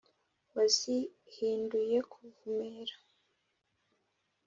wazihinduye kuvumera,.